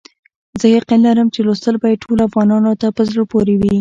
زه یقین لرم چې لوستل به یې ټولو افغانانو ته په زړه پوري وي.